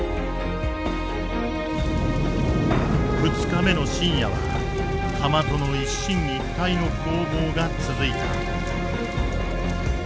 ２日目の深夜は釜との一進一退の攻防が続いた。